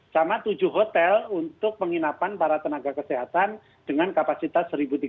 sama tujuh hotel untuk penginapan para tenaga kesehatan dengan kapasitas satu tiga ratus